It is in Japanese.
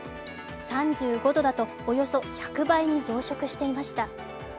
３５度だとおよそ１００倍に増殖していました。